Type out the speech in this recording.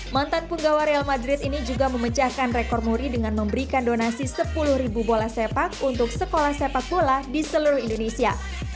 mantan penggawa real madrid ini juga memecahkan rekor muri dengan memberikan donasi sepuluh bola sepak untuk sekolah sepak bola di seluruh indonesia